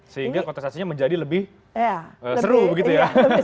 sehingga kontestasinya menjadi lebih seru begitu ya